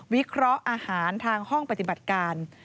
วิเคราะห์อาหารทางห้องปฏิบัติการ